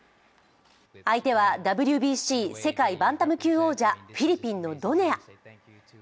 相手はＷＢＣ世界バンタム級王者フィリピンのドネア。